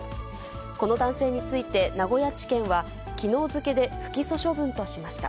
この男性について、名古屋地検は、きのう付けで不起訴処分としました。